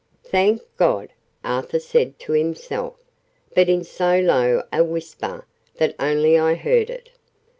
"Thank God!" Arthur said to himself, but in so low a whisper that only I heard it.